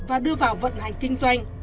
và đưa vào vận hành kinh doanh